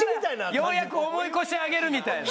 ようやく重い腰上げるみたいな。